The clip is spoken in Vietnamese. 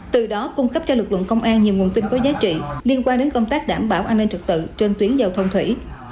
từ đó cung cấp cho lực lượng công an nhiều nguồn tin có giá trị liên quan đến công tác đảm bảo an ninh trật tự trên tuyến giao thông thủy